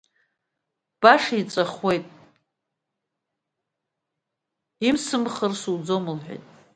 Баша иҵәахуеит, имсымхыр суӡом, — лҳәеит.